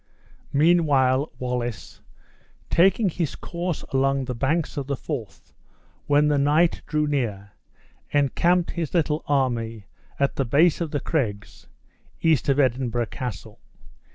Meanwhile Wallace, taking his course along the banks of the Forth, when the night drew near, encamped his little army at the base of the craigs, east of Edinburgh Castle.